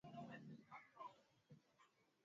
ezi kuwafanyia mahesabu ya kuchosha